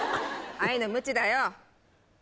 愛のムチだよ